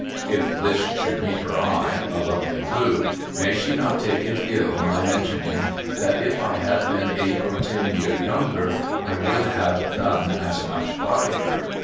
(If this should meet her eye — a lovely blue,— may she not take it ill my mentioning that if I had been eight or ten year younger, I would have done as much by her